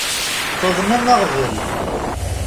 Tuḍnem aɣbel.